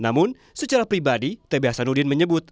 namun secara pribadi tb hasanuddin menyebut